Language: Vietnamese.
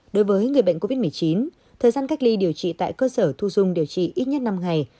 đối với người bệnh covid một mươi chín thời gian cách ly điều trị tại cơ sở thu dung điều trị ít nhất năm ngày